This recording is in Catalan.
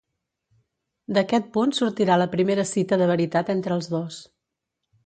D’aquest punt sortirà la primera cita de veritat entre els dos.